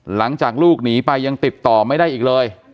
หลังจากลูกหนีไปยังติดต่อไม่ได้อีกเลย